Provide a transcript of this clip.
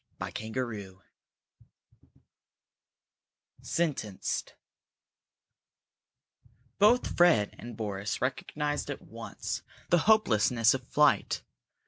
CHAPTER X SENTENCED Both Fred and Boris recognized at once the hopelessness of flight.